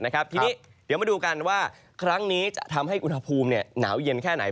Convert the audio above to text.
ทีนี้เดี๋ยวมาดูกันว่าครั้งนี้จะทำให้อุณหภูมิหนาวเย็นแค่ไหน